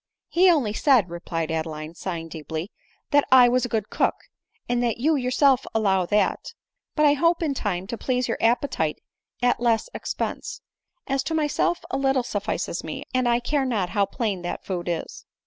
" He only said," replied Adeline sighing deeply, " that I was a good cook, and you yourself allow that ; but I hope in time to please your appetite at less expense ; as to myself, a Hjttle suffices me, and I care not how plain that food is."